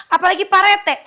apalagi pak rete